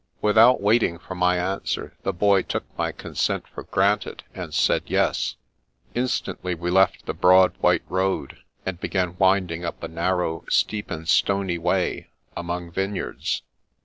Without waiting for my answer, the Boy took my consent for granted, and said yes. Instantly we left the broad white road, and began winding up a narrow, steep, and stony way, among vineyards.